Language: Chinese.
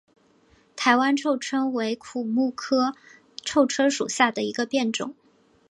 台湾臭椿为苦木科臭椿属下的一个变种。